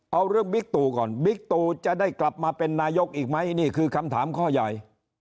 เอาเรื่องบิ๊กตูก่อนบิ๊กตูจะได้กลับมาเป็นนายกอีกไหมนี่คือคำถามข้อใหญ่